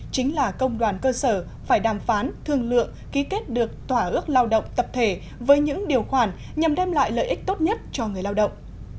chính là công đoàn cơ sở phải đàm phán thương lượng ký kết được tỏa ước lao động tập thể với những điều khoản nhằm đem lại lợi ích tốt nhất cho người lao động